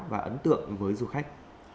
và ấn tượng với du khách